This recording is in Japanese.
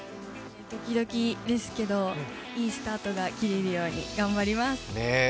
ドキドキですけどいいスタートが切れるように頑張ります。